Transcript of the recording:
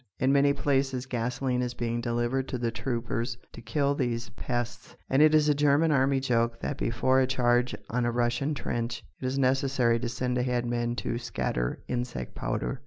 In many places gasoline is being delivered to the troopers to kill these pests, and it is a German army joke that before a charge on a Russian trench it is necessary to send ahead men to scatter insect powder!